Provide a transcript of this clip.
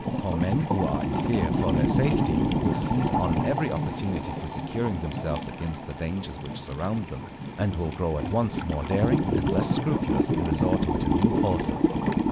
For men who are in fear for their safety will seize on every opportunity for securing themselves against the dangers which surround them, and will grow at once more daring, and less scrupulous in resorting to new courses.